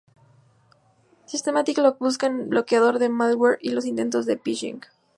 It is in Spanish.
Symantec lo que busca es bloquear el malware y los intentos de phishing.